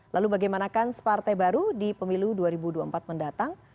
lalu bagaimanakan separtai baru di pemilu dua ribu dua puluh empat mendatang